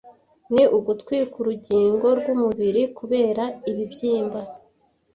ni ugutwika urugingo rwumubiri kubera ibibyimba